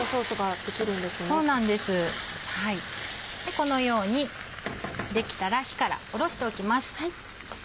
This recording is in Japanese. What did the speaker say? このようにできたら火から下ろしておきます。